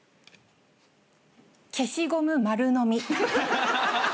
消しゴム丸飲み。